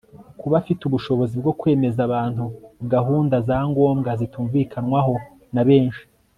kuba afite ubushobozi bwo kwemeza abantu gahunda za ngombwa zitumvikanwaho na benshi